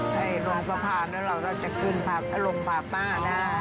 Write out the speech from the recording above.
ใช่ลงสะพานแล้วเราจะคืนอารมณ์พาป้าได้